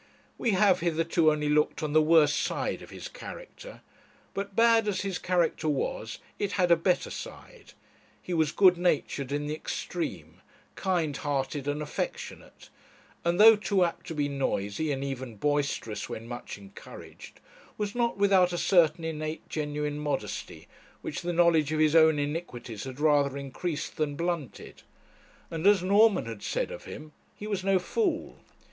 We have hitherto only looked on the worst side of his character; but bad as his character was, it had a better side. He was good natured in the extreme, kind hearted and affectionate; and, though too apt to be noisy and even boisterous when much encouraged, was not without a certain innate genuine modesty, which the knowledge of his own iniquities had rather increased than blunted; and, as Norman had said of him, he was no fool.